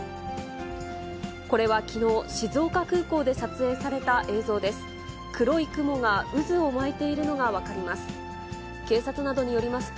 これはきのう、静岡空港で撮影された映像です。